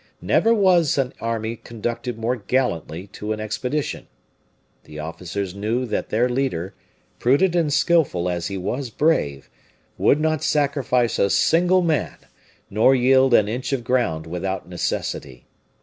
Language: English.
Never was an army conducted more gallantly to an expedition. The officers knew that their leader, prudent and skillful as he was brave, would not sacrifice a single man, nor yield an inch of ground without necessity.